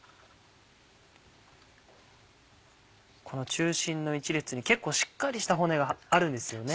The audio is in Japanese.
この中心の一列に結構しっかりした骨があるんですよね。